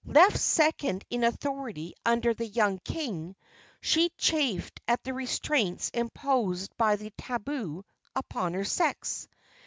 Left second in authority under the young king, she chafed at the restraints imposed by the tabu upon her sex.